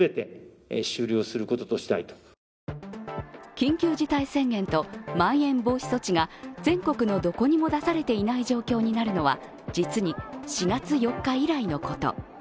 緊急事態宣言とまん延防止措置が全国のどこにも出されていない状況になるのは実に４月４日以来のこと。